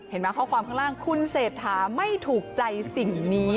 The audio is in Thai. มั้ข้อความข้างล่างคุณเศรษฐาไม่ถูกใจสิ่งนี้